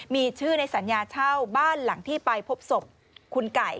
มีชื่อในสัญญาเช่าบ้านหลังที่ไปพบศพคุณไก่